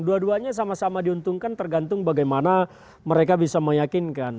dua duanya sama sama diuntungkan tergantung bagaimana mereka bisa meyakinkan